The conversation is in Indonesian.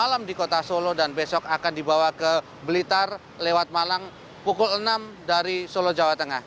malam di kota solo dan besok akan dibawa ke blitar lewat malang pukul enam dari solo jawa tengah